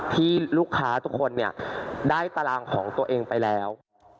ที่ลูกค้าทุกคนได้ตารางของตัวเองไปแล้ว